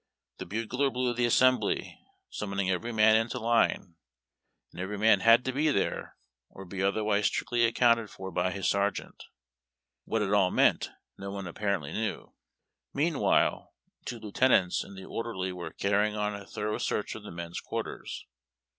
The bugler blew the Assembli/, summoning every man into line ; and 230 UARD TACK AND COFFEE. every man had to be there or be otherwise strictly accounted for by his sergeant. What it all meant no one aj^parently knew. Meanwhile, two lieutenants and the orderly were carrj'ing on a thorough search of the men's quarters.